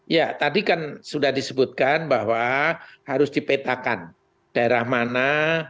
ya tadi kan sudah disebutkan bahwa harus dipetakan daerah mana